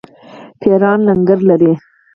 پیران لنګر لري.